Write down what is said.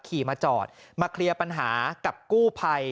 ขี่มาจอดมาเคลียร์ปัญหากับกู้ภัย